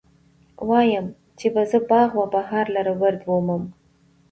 وايم، چې به زه باغ و بهار لره وردرومم